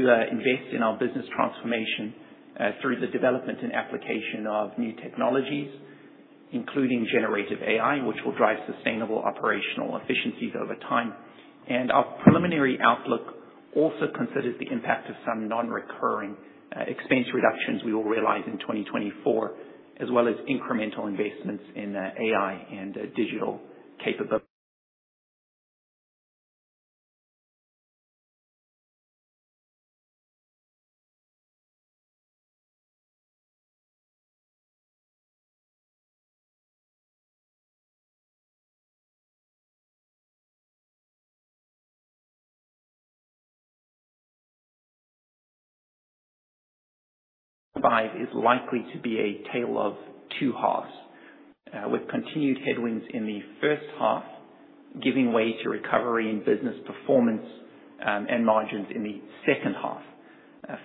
To invest in our business transformation through the development and application of new technologies, including generative AI, which will drive sustainable operational efficiencies over time. And our preliminary outlook also considers the impact of some non-recurring expense reductions we will realize in 2024, as well as incremental investments in AI and digital capabilities. 2025 is likely to be a tale of two halves, with continued headwinds in the first half giving way to recovery in business performance and margins in the second half.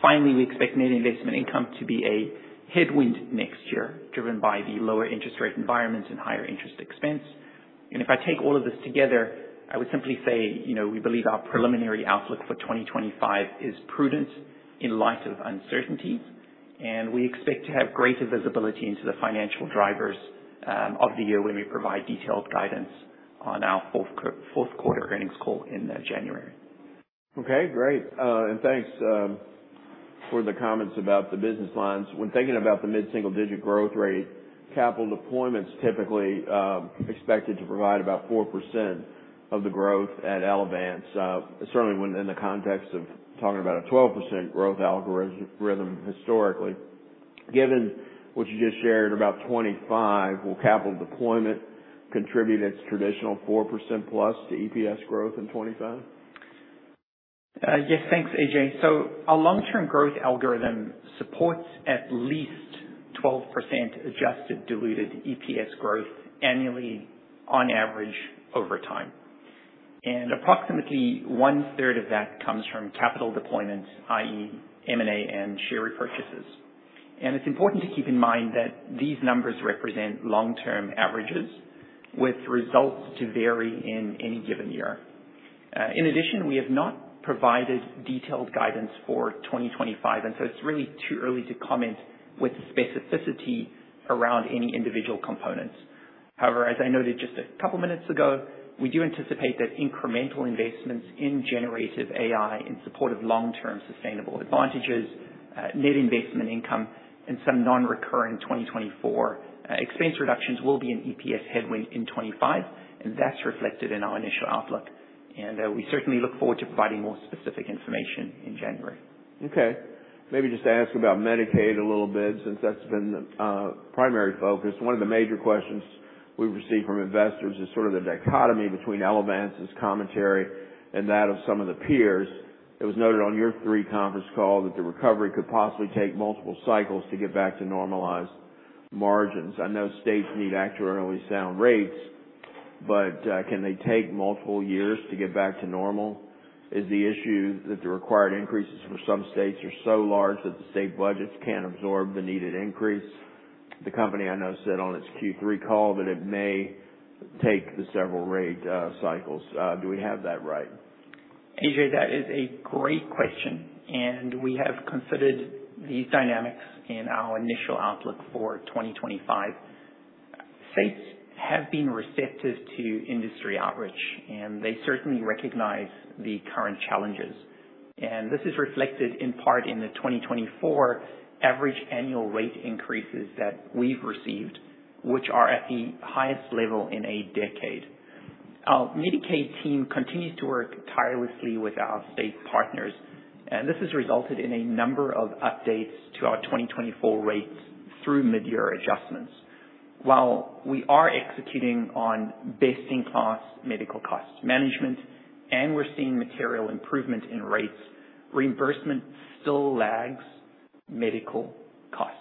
Finally, we expect net investment income to be a headwind next year, driven by the lower interest rate environment and higher interest expense. If I take all of this together, I would simply say we believe our preliminary outlook for 2025 is prudent in light of uncertainties, and we expect to have greater visibility into the financial drivers of the year when we provide detailed guidance on our Q4 earnings call in January. Okay, great. And thanks for the comments about the business lines. When thinking about the mid-single-digit growth rate, capital deployment's typically expected to provide about 4% of the growth at Elevance, certainly in the context of talking about a 12% growth algorithm historically. Given what you just shared, about 25, will capital deployment contribute its traditional 4% plus to EPS growth in 25? Yes, thanks, A.J. So our long-term growth algorithm supports at least 12% adjusted diluted EPS growth annually, on average, over time. And approximately one-third of that comes from capital deployment, i.e., M&A and share repurchases. And it's important to keep in mind that these numbers represent long-term averages, with results to vary in any given year. In addition, we have not provided detailed guidance for 2025, and so it's really too early to comment with specificity around any individual components. However, as I noted just a couple of minutes ago, we do anticipate that incremental investments in generative AI in support of long-term sustainable advantages, net investment income, and some non-recurring 2024 expense reductions will be an EPS headwind in 2025, and that's reflected in our initial outlook. And we certainly look forward to providing more specific information in January. Okay. Maybe just to ask about Medicaid a little bit, since that's been the primary focus. One of the major questions we've received from investors is sort of the dichotomy between Elevance's commentary and that of some of the peers. It was noted on your Q3 conference call that the recovery could possibly take multiple cycles to get back to normalized margins. I know states need actuarially sound rates, but can they take multiple years to get back to normal? Is the issue that the required increases for some states are so large that the state budgets can't absorb the needed increase? The company I know said on its Q3 call that it may take several rate cycles. Do we have that right? A.J, that is a great question, and we have considered these dynamics in our initial outlook for 2025. States have been receptive to industry outreach, and they certainly recognize the current challenges. This is reflected in part in the 2024 average annual rate increases that we've received, which are at the highest level in a decade. Our Medicaid team continues to work tirelessly with our state partners, and this has resulted in a number of updates to our 2024 rates through mid-year adjustments. While we are executing on best-in-class medical cost management and we're seeing material improvement in rates, reimbursement still lags medical costs.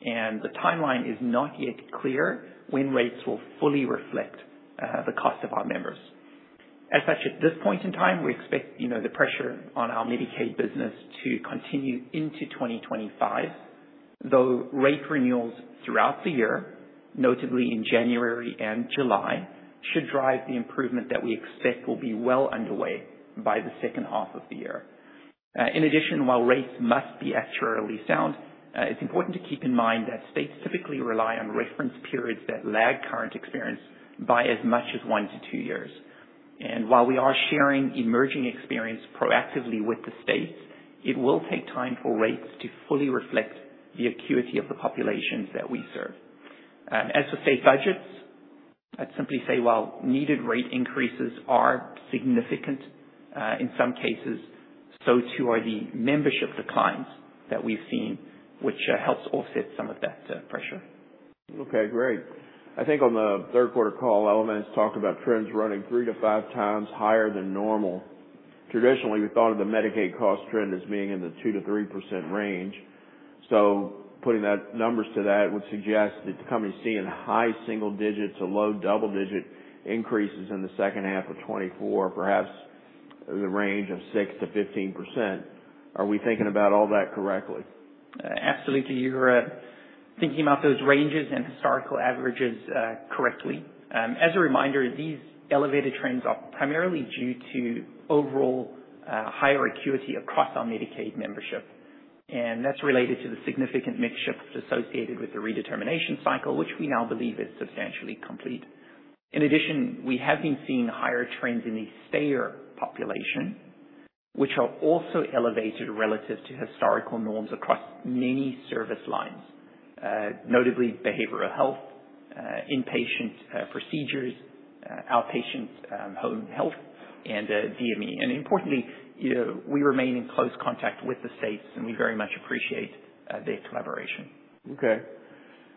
The timeline is not yet clear when rates will fully reflect the cost of our members. As such, at this point in time, we expect the pressure on our Medicaid business to continue into 2025, though rate renewals throughout the year, notably in January and July, should drive the improvement that we expect will be well underway by the second half of the year. In addition, while rates must be actuarially sound, it's important to keep in mind that states typically rely on reference periods that lag current experience by as much as one to two years. And while we are sharing emerging experience proactively with the states, it will take time for rates to fully reflect the acuity of the populations that we serve. As for state budgets, I'd simply say while needed rate increases are significant in some cases, so too are the membership declines that we've seen, which helps offset some of that pressure. Okay, great. I think on the Q3 call, Elevance talked about trends running three to five times higher than normal. Traditionally, we thought of the Medicaid cost trend as being in the 2% to 3% range. So putting those numbers to that would suggest that the company's seeing high single-digit to low double-digit increases in the second half of 2024, perhaps in the range of 6% to 15%. Are we thinking about all that correctly? Absolutely, you're thinking about those ranges and historical averages correctly. As a reminder, these elevated trends are primarily due to overall higher acuity across our Medicaid membership, and that's related to the significant mixture associated with the redetermination cycle, which we now believe is substantially complete. In addition, we have been seeing higher trends in the stayers population, which are also elevated relative to historical norms across many service lines, notably behavioral health, inpatient procedures, outpatient home health, and DME, and importantly, we remain in close contact with the states, and we very much appreciate their collaboration. Okay.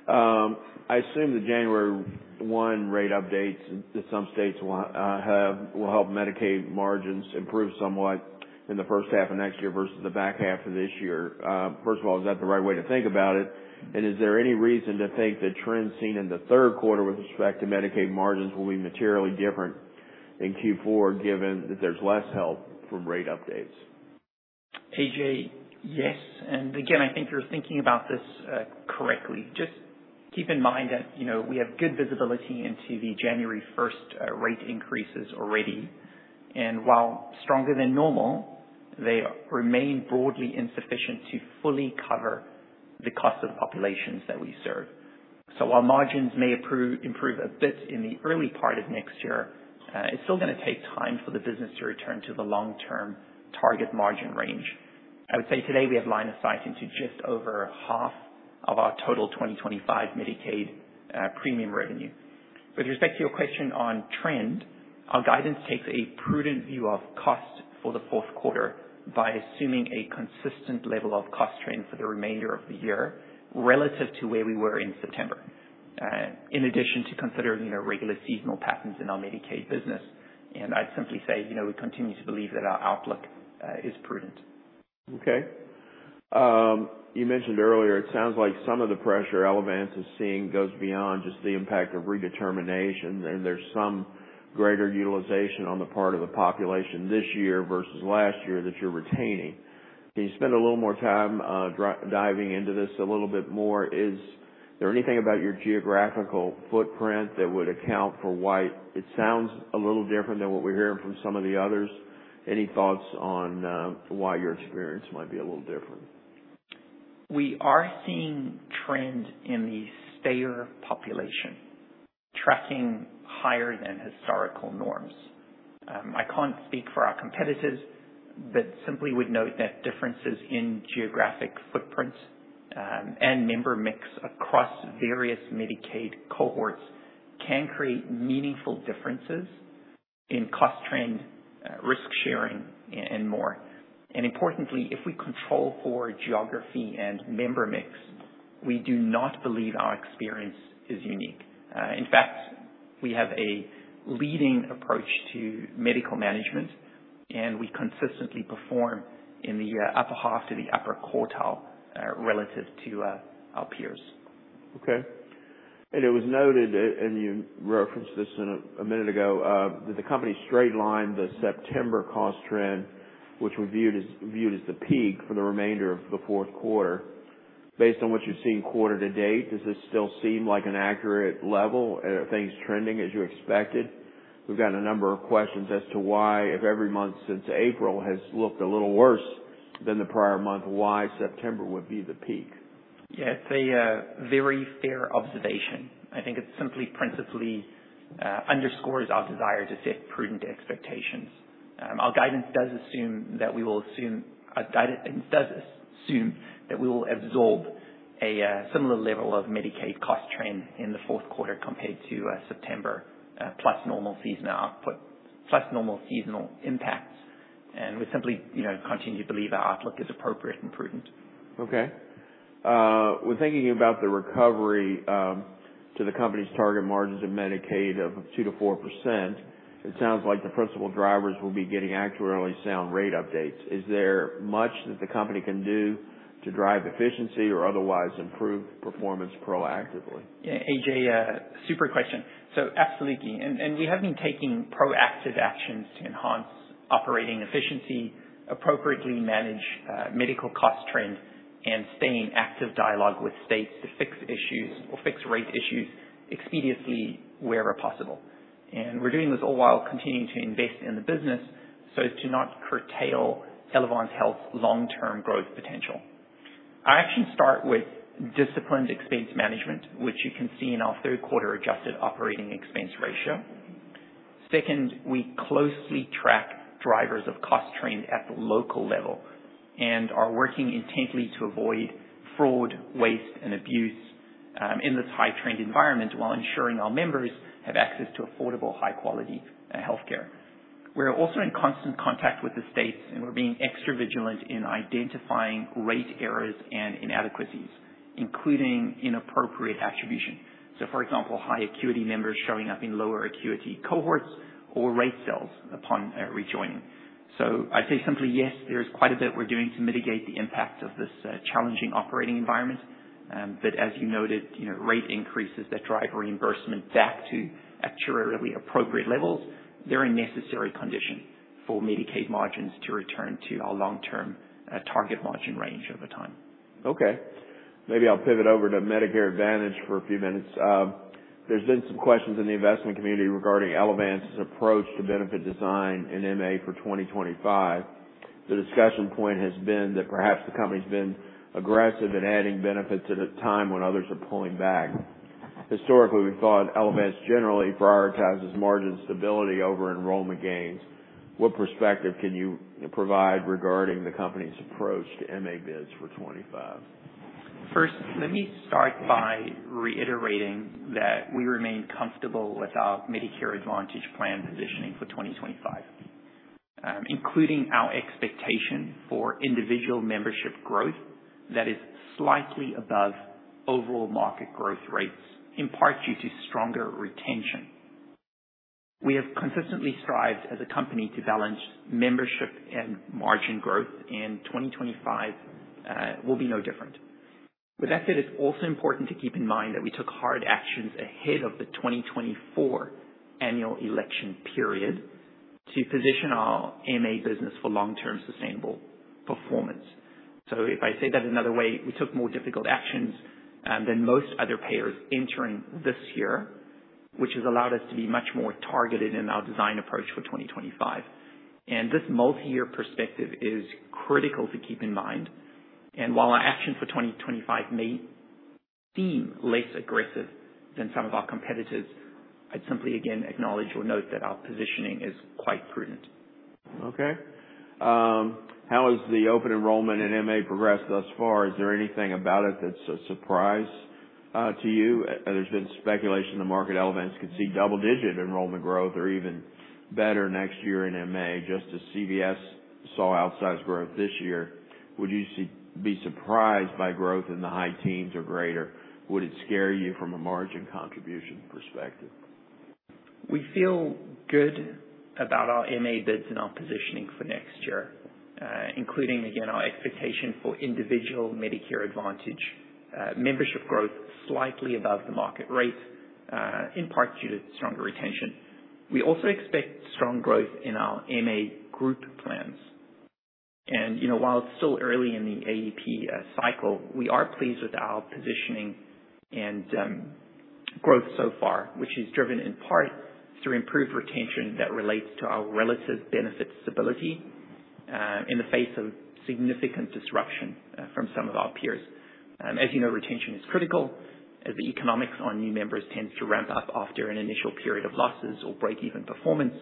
I assume the January 1 rate updates that some states will help Medicaid margins improve somewhat in the first half of next year versus the back half of this year. First of all, is that the right way to think about it? And is there any reason to think the trends seen in the Q3 with respect to Medicaid margins will be materially different in Q4, given that there's less help from rate updates? A.J, yes. And again, I think you're thinking about this correctly. Just keep in mind that we have good visibility into the January 1st rate increases already. And while stronger than normal, they remain broadly insufficient to fully cover the cost of the populations that we serve. So while margins may improve a bit in the early part of next year, it's still going to take time for the business to return to the long-term target margin range. I would say today we have line of sight into just over half of our total 2025 Medicaid premium revenue. With respect to your question on trend, our guidance takes a prudent view of cost for the Q4 by assuming a consistent level of cost trend for the remainder of the year relative to where we were in September, in addition to considering regular seasonal patterns in our Medicaid business. I'd simply say we continue to believe that our outlook is prudent. Okay. You mentioned earlier, it sounds like some of the pressure Elevance is seeing goes beyond just the impact of redetermination, and there's some greater utilization on the part of the population this year versus last year that you're retaining. Can you spend a little more time diving into this a little bit more? Is there anything about your geographical footprint that would account for why it sounds a little different than what we're hearing from some of the others? Any thoughts on why your experience might be a little different? We are seeing trend in the Stayers population, tracking higher than historical norms. I can't speak for our competitors, but simply would note that differences in geographic footprints and member mix across various Medicaid cohorts can create meaningful differences in cost trend, risk sharing, and more. And importantly, if we control for geography and member mix, we do not believe our experience is unique. In fact, we have a leading approach to medical management, and we consistently perform in the upper half to the upper quartile relative to our peers. Okay. And it was noted, and you referenced this a minute ago, that the company straight-lined the September cost trend, which was viewed as the peak for the remainder of the Q4. Based on what you've seen quarter to date, does this still seem like an accurate level? Are things trending as you expected? We've gotten a number of questions as to why, if every month since April has looked a little worse than the prior month, why September would be the peak. Yeah, it's a very fair observation. I think it simply principally underscores our desire to set prudent expectations. Our guidance does assume that we will absorb a similar level of Medicaid cost trend in the Q4 compared to September, plus normal seasonal output, plus normal seasonal impacts, and we simply continue to believe our outlook is appropriate and prudent. Okay. When thinking about the recovery to the company's target margins of Medicaid of 2% to 4%, it sounds like the principal drivers will be getting actuarially sound rate updates. Is there much that the company can do to drive efficiency or otherwise improve performance proactively? Yeah, A.J, super question. So, absolutely, and we have been taking proactive actions to enhance operating efficiency, appropriately manage medical cost trend, and stay in active dialogue with states to fix issues or fix rate issues expeditiously where possible, and we're doing this all while continuing to invest in the business so as to not curtail Elevance Health's long-term growth potential. I actually start with disciplined expense management, which you can see in our Q3 adjusted operating expense ratio. Second, we closely track drivers of cost trend at the local level and are working intently to avoid fraud, waste, and abuse in this high-trend environment while ensuring our members have access to affordable, high-quality healthcare. We're also in constant contact with the states, and we're being extra vigilant in identifying rate errors and inadequacies, including inappropriate attribution. So, for example, high acuity members showing up in lower acuity cohorts or rate cells upon rejoining. So I'd say simply, yes, there is quite a bit we're doing to mitigate the impacts of this challenging operating environment. But as you noted, rate increases that drive reimbursement back to actuarially appropriate levels, they're a necessary condition for Medicaid margins to return to our long-term target margin range over time. Okay. Maybe I'll pivot over to Medicare Advantage for a few minutes. There's been some questions in the investment community regarding Elevance's approach to benefit design in MA for 2025. The discussion point has been that perhaps the company's been aggressive in adding benefits at a time when others are pulling back. Historically, we thought Elevance generally prioritizes margin stability over enrollment gains. What perspective can you provide regarding the company's approach to MA bids for 2025? First, let me start by reiterating that we remain comfortable with our Medicare Advantage plan positioning for 2025, including our expectation for individual membership growth that is slightly above overall market growth rates, in part due to stronger retention. We have consistently strived as a company to balance membership and margin growth, and 2025 will be no different. With that said, it's also important to keep in mind that we took hard actions ahead of the 2024 annual election period to position our MA business for long-term sustainable performance. So if I say that another way, we took more difficult actions than most other payers entering this year, which has allowed us to be much more targeted in our design approach for 2025. And this multi-year perspective is critical to keep in mind. While our action for 2025 may seem less aggressive than some of our competitors, I'd simply, again, acknowledge or note that our positioning is quite prudent. Okay. How has the open enrollment in MA progressed thus far? Is there anything about it that's a surprise to you? There's been speculation the market Elevance could see double-digit enrollment growth or even better next year in MA, just as CVS saw outsized growth this year. Would you be surprised by growth in the high teens or greater? Would it scare you from a margin contribution perspective? We feel good about our MA bids and our positioning for next year, including, again, our expectation for individual Medicare Advantage membership growth slightly above the market rate, in part due to stronger retention. We also expect strong growth in our MA group plans and while it's still early in the AEP cycle, we are pleased with our positioning and growth so far, which is driven in part through improved retention that relates to our relative benefit stability in the face of significant disruption from some of our peers. As you know, retention is critical as the economics on new members tends to ramp up after an initial period of losses or break-even performance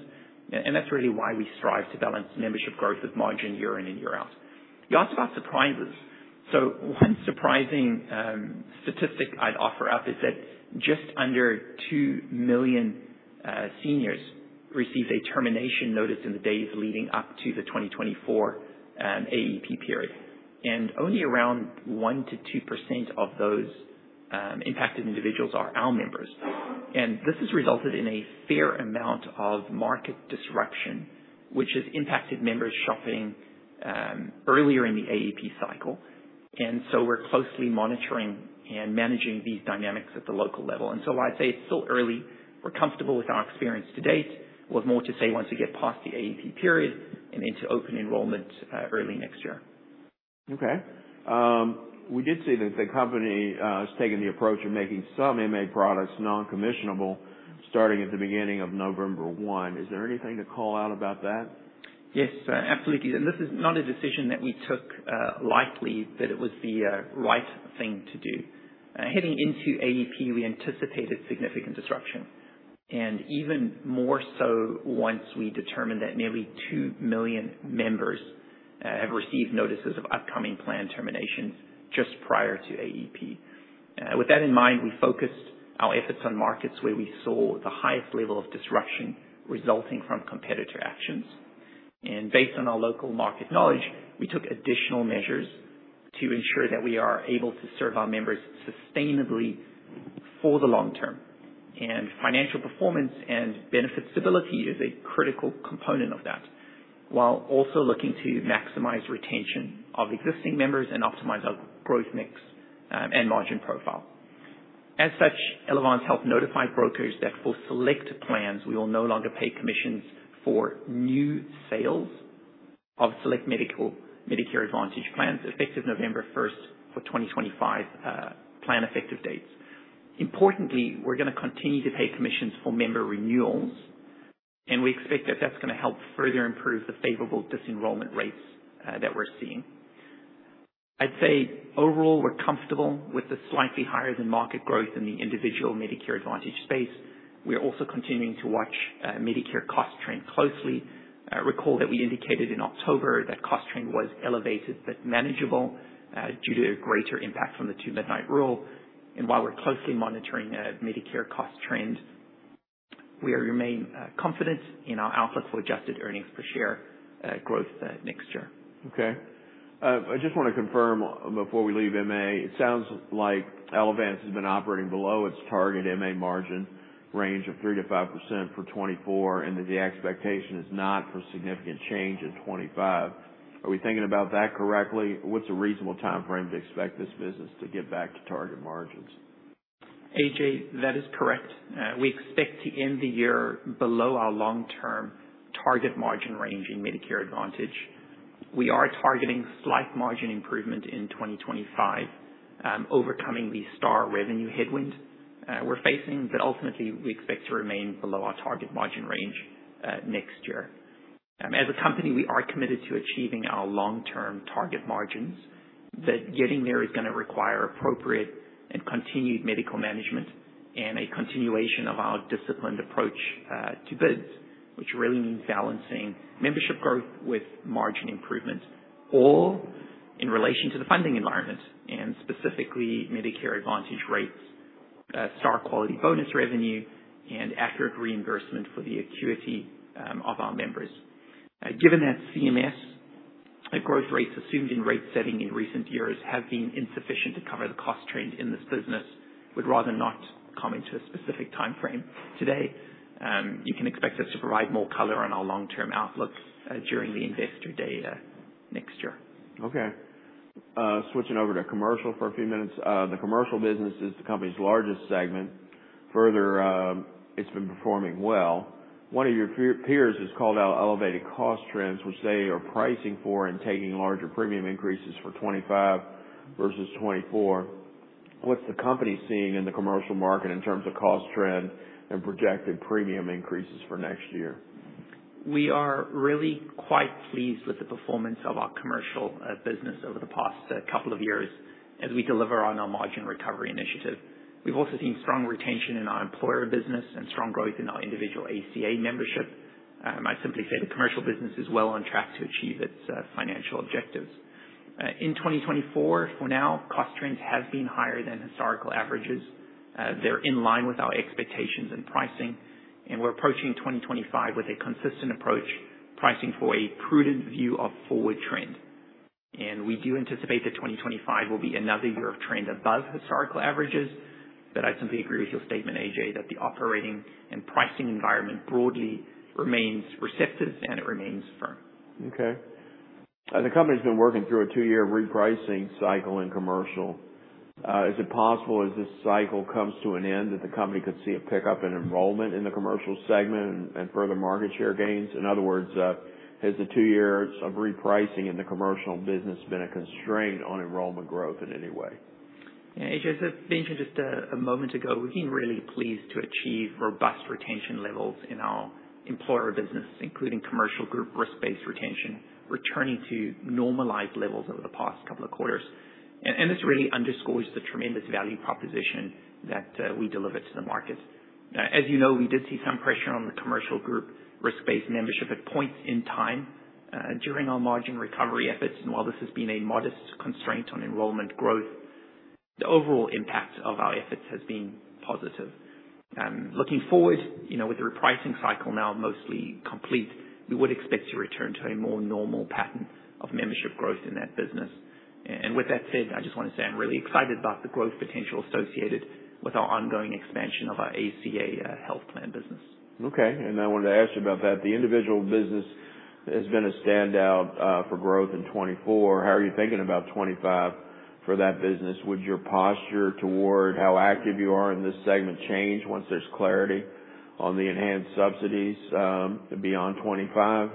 and that's really why we strive to balance membership growth with margin year in and year out. You asked about surprises. One surprising statistic I'd offer up is that just under two million seniors received a termination notice in the days leading up to the 2024 AEP period. Only around 1% to 2% of those impacted individuals are our members. This has resulted in a fair amount of market disruption, which has impacted members shopping earlier in the AEP cycle. We're closely monitoring and managing these dynamics at the local level. I'd say it's still early. We're comfortable with our experience to date. We'll have more to say once we get past the AEP period and into open enrollment early next year. Okay. We did see that the company has taken the approach of making some MA products non-commissionable starting at the beginning of November 1. Is there anything to call out about that? Yes, absolutely. And this is not a decision that we took lightly, but it was the right thing to do. Heading into AEP, we anticipated significant disruption, and even more so once we determined that nearly two million members have received notices of upcoming planned terminations just prior to AEP. With that in mind, we focused our efforts on markets where we saw the highest level of disruption resulting from competitor actions. And based on our local market knowledge, we took additional measures to ensure that we are able to serve our members sustainably for the long term. And financial performance and benefit stability is a critical component of that, while also looking to maximize retention of existing members and optimize our growth mix and margin profile. As such, Elevance Health notified brokers that for select plans, we will no longer pay commissions for new sales of select Medicare Advantage plans effective November 1st for 2025 plan effective dates. Importantly, we're going to continue to pay commissions for member renewals, and we expect that that's going to help further improve the favorable disenrollment rates that we're seeing. I'd say overall, we're comfortable with the slightly higher than market growth in the individual Medicare Advantage space. We're also continuing to watch Medicare cost trend closely. Recall that we indicated in October that cost trend was elevated but manageable due to greater impact from the Two-midnight rule, and while we're closely monitoring Medicare cost trend, we remain confident in our outlook for adjusted earnings per share growth next year. Okay. I just want to confirm before we leave MA. It sounds like Elevance has been operating below its target MA margin range of 3% to 5% for 2024, and that the expectation is not for significant change in 2025. Are we thinking about that correctly? What's a reasonable timeframe to expect this business to get back to target margins? A.J, that is correct. We expect to end the year below our long-term target margin range in Medicare Advantage. We are targeting slight margin improvement in 2025, overcoming the Star revenue headwind we're facing, but ultimately, we expect to remain below our target margin range next year. As a company, we are committed to achieving our long-term target margins, but getting there is going to require appropriate and continued medical management and a continuation of our disciplined approach to bids, which really means balancing membership growth with margin improvement, all in relation to the funding environment and specifically Medicare Advantage rates, star quality bonus revenue, and accurate reimbursement for the acuity of our members. Given that CMS growth rates assumed in rate setting in recent years have been insufficient to cover the cost trend in this business, we'd rather not come into a specific timeframe today. You can expect us to provide more color on our long-term outlook during the Investor Day next year. Okay. Switching over to commercial for a few minutes. The commercial business is the company's largest segment. Further, it's been performing well. One of your peers has called out elevated cost trends, which they are pricing for and taking larger premium increases for 2025 versus 2024. What's the company seeing in the commercial market in terms of cost trend and projected premium increases for next year? We are really quite pleased with the performance of our commercial business over the past couple of years as we deliver on our margin recovery initiative. We've also seen strong retention in our employer business and strong growth in our individual ACA membership. I'd simply say the commercial business is well on track to achieve its financial objectives. In 2024, for now, cost trends have been higher than historical averages. They're in line with our expectations and pricing, and we're approaching 2025 with a consistent approach, pricing for a prudent view of forward trend, and we do anticipate that 2025 will be another year of trend above historical averages, but I simply agree with your statement, A.J, that the operating and pricing environment broadly remains receptive and it remains firm. Okay. The company's been working through a two-year repricing cycle in commercial. Is it possible, as this cycle comes to an end, that the company could see a pickup in enrollment in the commercial segment and further market share gains? In other words, has the two years of repricing in the commercial business been a constraint on enrollment growth in any way? Yeah, A.J, as I mentioned just a moment ago, we've been really pleased to achieve robust retention levels in our employer business, including commercial group risk-based retention, returning to normalized levels over the past couple of quarters. And this really underscores the tremendous value proposition that we deliver to the market. As you know, we did see some pressure on the commercial group risk-based membership at points in time during our margin recovery efforts. And while this has been a modest constraint on enrollment growth, the overall impact of our efforts has been positive. Looking forward, with the repricing cycle now mostly complete, we would expect to return to a more normal pattern of membership growth in that business. And with that said, I just want to say I'm really excited about the growth potential associated with our ongoing expansion of our ACA health plan business. Okay. And I wanted to ask you about that. The individual business has been a standout for growth in 2024. How are you thinking about 2025 for that business? Would your posture toward how active you are in this segment change once there's clarity on the enhanced subsidies beyond 2025?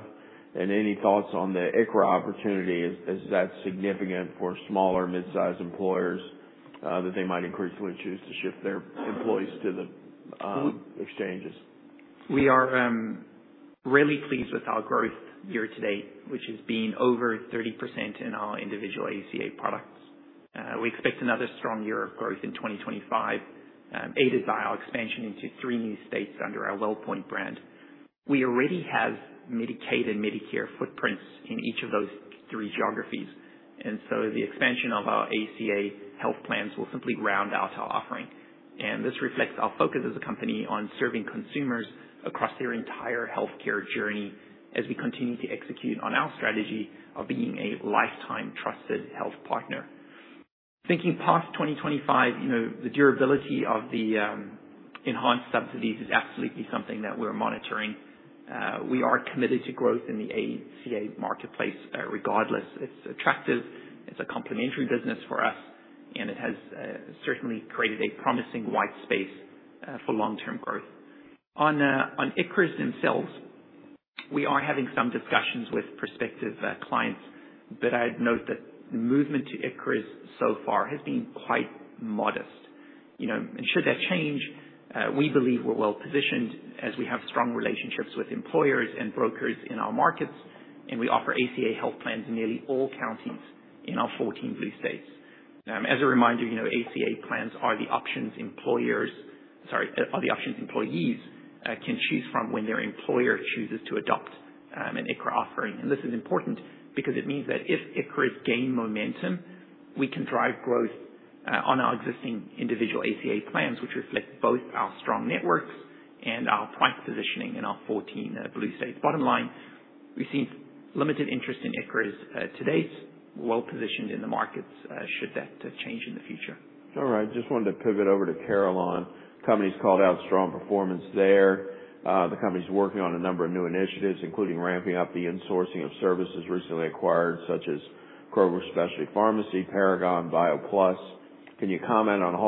And any thoughts on the ICHRA opportunity? Is that significant for smaller, midsize employers that they might increasingly choose to shift their employees to the exchanges? We are really pleased with our growth year to date, which has been over 30% in our individual ACA products. We expect another strong year of growth in 2025, aided by our expansion into three new states under our WellPoint brand. We already have Medicaid and Medicare footprints in each of those three geographies, and so the expansion of our ACA health plans will simply round out our offering, and this reflects our focus as a company on serving consumers across their entire healthcare journey as we continue to execute on our strategy of being a lifetime trusted health partner. Thinking past 2025, the durability of the enhanced subsidies is absolutely something that we're monitoring. We are committed to growth in the ACA marketplace regardless. It's attractive. It's a complementary business for us, and it has certainly created a promising white space for long-term growth. On ICHRAs themselves, we are having some discussions with prospective clients, but I'd note that the movement to ICHRAs so far has been quite modest, and should that change, we believe we're well positioned as we have strong relationships with employers and brokers in our markets, and we offer ACA health plans in nearly all counties in our 14 Blue states. As a reminder, ACA plans are the options employers, sorry, are the options employees can choose from when their employer chooses to adopt an ICRA offering, and this is important because it means that if ICHRAs gain momentum, we can drive growth on our existing individual ACA plans, which reflect both our strong networks and our price positioning in our 14 blue states. Bottom line, we've seen limited interest in ICRHAs to date, well positioned in the markets should that change in the future. All right. Just wanted to pivot over to Carelon. The company's called out strong performance there. The company's working on a number of new initiatives, including ramping up the insourcing of services recently acquired, such as Kroger Specialty Pharmacy, Paragon, BioPlus. Can you comment on how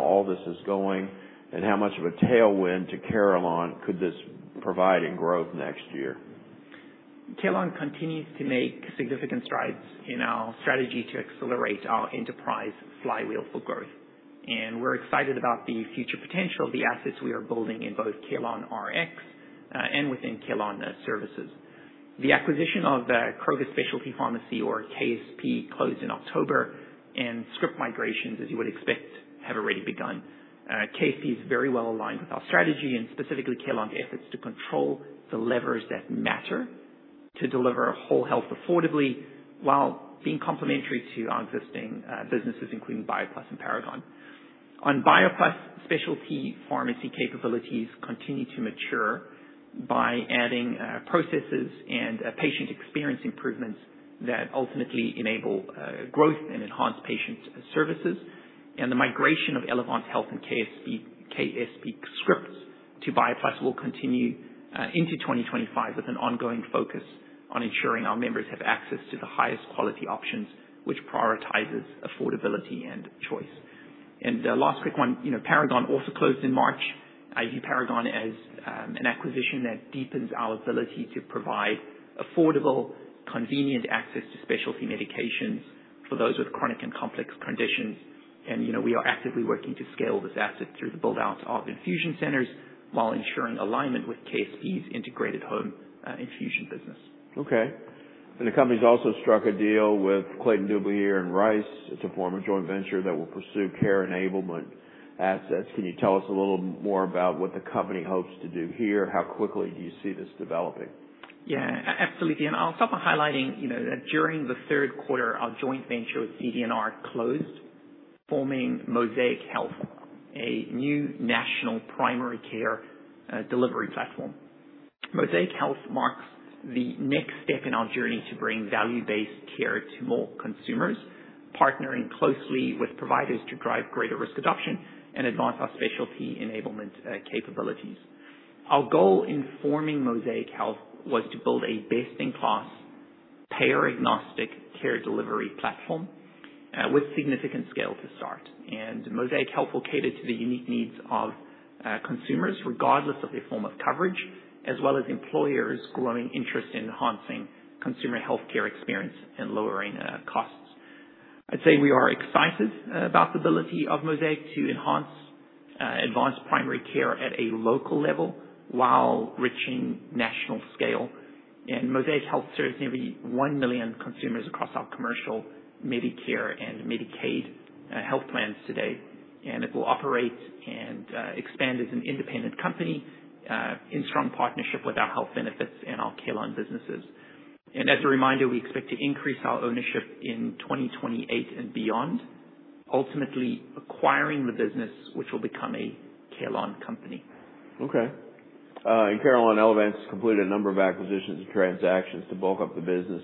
all this is going and how much of a tailwind to Carelon could this provide in growth next year? Carelon continues to make significant strides in our strategy to accelerate our enterprise flywheel for growth. And we're excited about the future potential of the assets we are building in both CarelonRx and within Carelon services. The acquisition of Kroger Specialty Pharmacy, or KSP, closed in October, and script migrations, as you would expect, have already begun. KSP is very well aligned with our strategy and specifically Carelon's efforts to control the levers that matter to deliver whole health affordably while being complementary to our existing businesses, including BioPlus and Paragon. On BioPlus, specialty pharmacy capabilities continue to mature by adding processes and patient experience improvements that ultimately enable growth and enhance patient services. And the migration of Elevance Health and KSP scripts to BioPlus will continue into 2025 with an ongoing focus on ensuring our members have access to the highest quality options, which prioritizes affordability and choice. Last quick one, Paragon also closed in March. I view Paragon as an acquisition that deepens our ability to provide affordable, convenient access to specialty medications for those with chronic and complex conditions. We are actively working to scale this asset through the buildout of infusion centers while ensuring alignment with KSP's integrated home infusion business. Okay. And the company's also struck a deal with Clayton, Dubilier & Rice. It's a form of joint venture that will pursue care enablement assets. Can you tell us a little more about what the company hopes to do here? How quickly do you see this developing? Yeah, absolutely. And I'll start by highlighting that during the Q3, our joint venture with CD&R closed, forming Mosaic Health, a new national primary care delivery platform. Mosaic Health marks the next step in our journey to bring value-based care to more consumers, partnering closely with providers to drive greater risk adoption and advance our specialty enablement capabilities. Our goal in forming Mosaic Health was to build a best-in-class, payer-agnostic care delivery platform with significant scale to start. And Mosaic Health will cater to the unique needs of consumers, regardless of their form of coverage, as well as employers' growing interest in enhancing consumer healthcare experience and lowering costs. I'd say we are excited about the ability of Mosaic to enhance advanced primary care at a local level while reaching national scale. And Mosaic Health serves nearly one million consumers across our commercial Medicare and Medicaid health plans today. It will operate and expand as an independent company in strong partnership with our health benefits and our Carelon businesses. As a reminder, we expect to increase our ownership in 2028 and beyond, ultimately acquiring the business, which will become a Carelon company. Okay. And Carelon Elevance has completed a number of acquisitions and transactions to bulk up the business.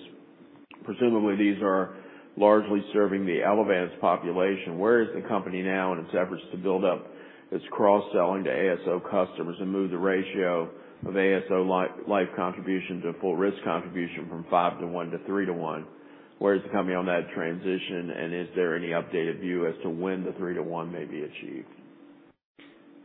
Presumably, these are largely serving the Elevance population. Where is the company now in its efforts to build up its cross-selling to ASO customers and move the ratio of ASO-like contribution to full risk contribution from five to one to three to one? Where is the company on that transition, and is there any updated view as to when the three to one may be achieved?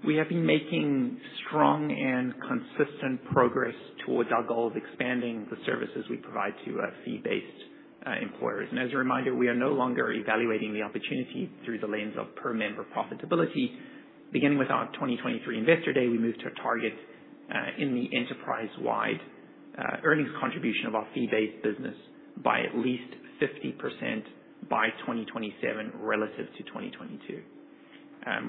We have been making strong and consistent progress towards our goal of expanding the services we provide to fee-based employers. And as a reminder, we are no longer evaluating the opportunity through the lens of per member profitability. Beginning with our 2023 investor day, we moved to a target in the enterprise-wide earnings contribution of our fee-based business by at least 50% by 2027 relative to 2022.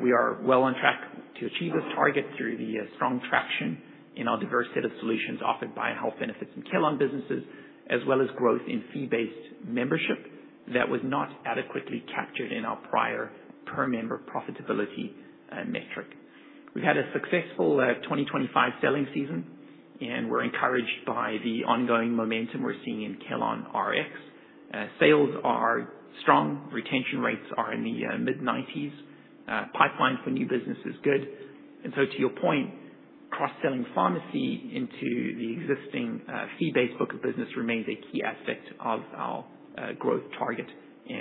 We are well on track to achieve this target through the strong traction in our diverse set of solutions offered by health benefits and Carelon businesses, as well as growth in fee-based membership that was not adequately captured in our prior per member profitability metric. We've had a successful 2025 selling season, and we're encouraged by the ongoing momentum we're seeing in CarelonRx. Sales are strong. Retention rates are in the mid-90s%. Pipeline for new business is good. To your point, cross-selling pharmacy into the existing fee-based book of business remains a key aspect of our growth target.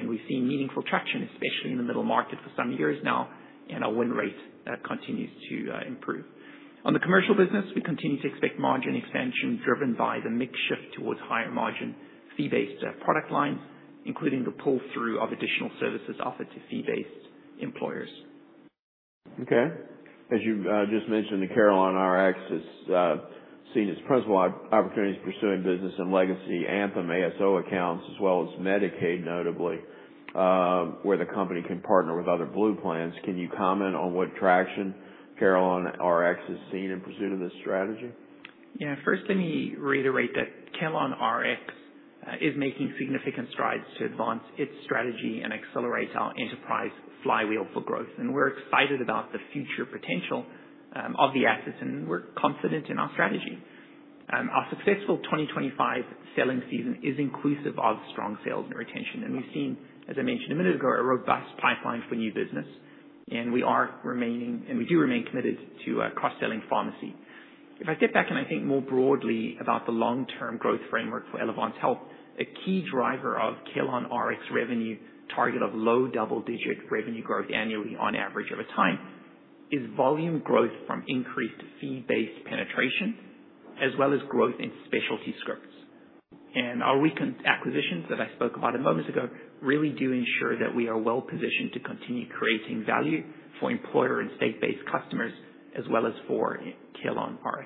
We've seen meaningful traction, especially in the middle market for some years now, and our win rate continues to improve. On the commercial business, we continue to expect margin expansion driven by the mix shift towards higher margin fee-based product lines, including the pull-through of additional services offered to fee-based employers. Okay. As you just mentioned, the CarelonRx is seen as principal opportunities pursuing business in legacy Anthem ASO accounts, as well as Medicaid, notably, where the company can partner with other Blue plans. Can you comment on what traction CarelonRx is seeing in pursuit of this strategy? Yeah. First, let me reiterate that CarelonRx is making significant strides to advance its strategy and accelerate our enterprise flywheel for growth. And we're excited about the future potential of the assets, and we're confident in our strategy. Our successful 2025 selling season is inclusive of strong sales and retention. And we've seen, as I mentioned a minute ago, a robust pipeline for new business. And we are remaining, and we do remain committed to cross-selling pharmacy. If I step back and I think more broadly about the long-term growth framework for Elevance Health, a key driver of CarelonRx revenue target of low double-digit revenue growth annually on average over time is volume growth from increased fee-based penetration, as well as growth in specialty scripts. And our recent acquisitions that I spoke about a moment ago really do ensure that we are well positioned to continue creating value for employer and state-based customers, as well as for CarelonRx.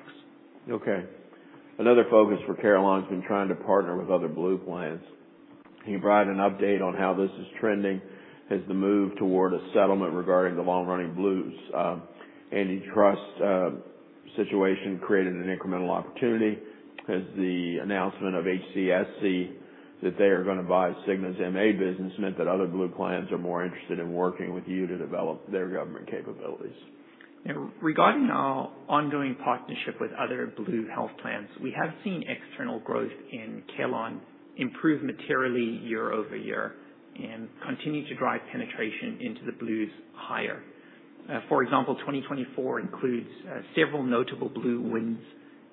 Okay. Another focus for Carelon has been trying to partner with other Blue plans. Can you provide an update on how this is trending? Has the move toward a settlement regarding the long-running Blues antitrust situation created an incremental opportunity? Has the announcement of HCSC that they are going to buy Cigna's MA business meant that other Blue plans are more interested in working with you to develop their government capabilities? Regarding our ongoing partnership with other blue health plans, we have seen external growth in Carelon improve materially year over year and continue to drive penetration into the blues higher. For example, 2024 includes several notable blue wins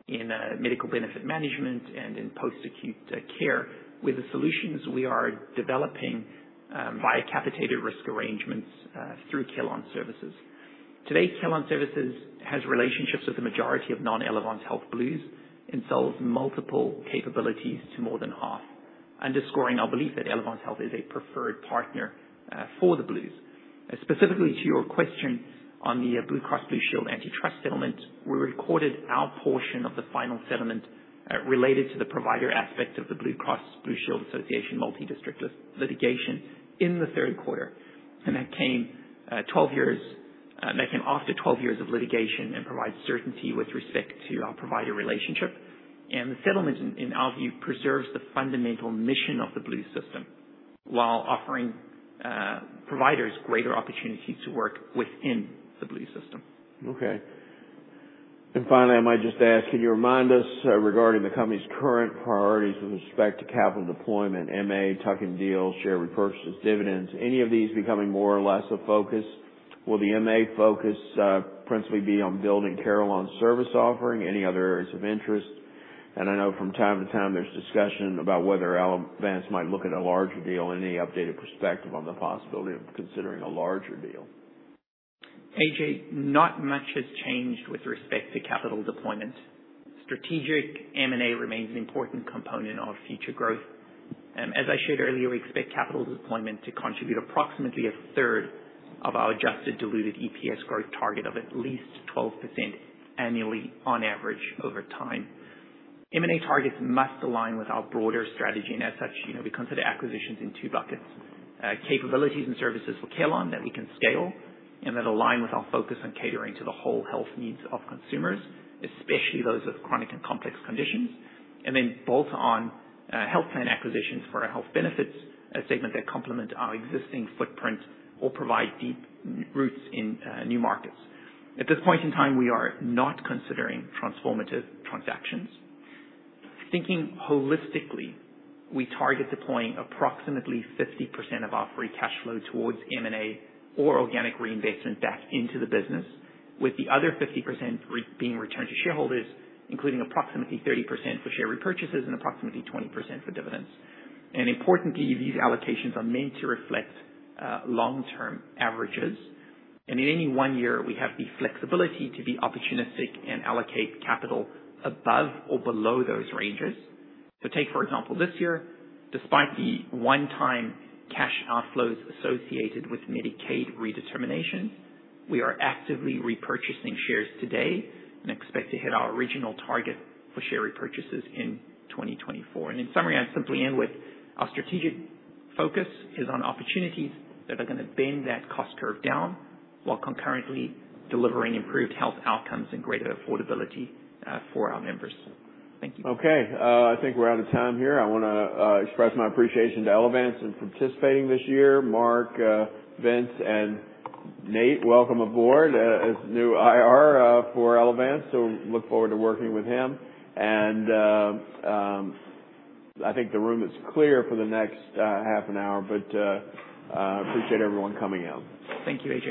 in medical benefit management and in post-acute care with the solutions we are developing via capitated risk arrangements through Carelon Services. Today, Carelon Services has relationships with the majority of non-Elevance Health blues and sells multiple capabilities to more than half, underscoring our belief that Elevance Health is a preferred partner for the blues. Specifically to your question on the Blue Cross Blue Shield antitrust settlement, we recorded our portion of the final settlement related to the provider aspect of the Blue Cross Blue Shield Association multi-district litigation in the Q3. That came after 12 years of litigation and provides certainty with respect to our provider relationship. The settlement, in our view, preserves the fundamental mission of the Blue system while offering providers greater opportunities to work within the Blue system. Okay. And finally, I might just ask, can you remind us regarding the company's current priorities with respect to capital deployment, MA, tuck-in deals, share repurchases, dividends? Any of these becoming more or less a focus? Will the MA focus principally be on building Carelon's service offering? Any other areas of interest? And I know from time to time there's discussion about whether Elevance might look at a larger deal and any updated perspective on the possibility of considering a larger deal. A.J, not much has changed with respect to capital deployment. Strategic M&A remains an important component of future growth. As I shared earlier, we expect capital deployment to contribute approximately a third of our adjusted diluted EPS growth target of at least 12% annually on average over time. M&A targets must align with our broader strategy, and as such, we consider acquisitions in two buckets: capabilities and services for Carelon that we can scale and that align with our focus on catering to the whole health needs of consumers, especially those with chronic and complex conditions, and then bolt on health plan acquisitions for our health benefits segment that complement our existing footprint or provide deep roots in new markets. At this point in time, we are not considering transformative transactions. Thinking holistically, we target deploying approximately 50% of our free cash flow towards M&A or organic reinvestment back into the business, with the other 50% being returned to shareholders, including approximately 30% for share repurchases and approximately 20% for dividends. And importantly, these allocations are meant to reflect long-term averages. And in any one year, we have the flexibility to be opportunistic and allocate capital above or below those ranges. So take, for example, this year, despite the one-time cash outflows associated with Medicaid redeterminations, we are actively repurchasing shares today and expect to hit our original target for share repurchases in 2024. And in summary, I'd simply end with our strategic focus is on opportunities that are going to bend that cost curve down while concurrently delivering improved health outcomes and greater affordability for our members. Thank you. Okay. I think we're out of time here. I want to express my appreciation to Elevance for participating this year. Mark, Vince, and Nate, welcome aboard as new IR for Elevance. So, I look forward to working with him. And I think the room is clear for the next half an hour, but I appreciate everyone coming in. Thank you, A.J.